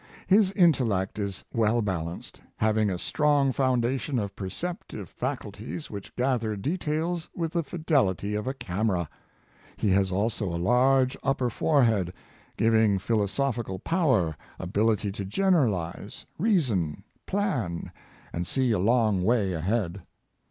His in tellect is well balanced, having a strong foundation of perceptive faculties which gather details with the fidelity of a camera. He has also a large upper fore head, giving philosophical power, ability to generalize, reason, plan, and see a long way ahead.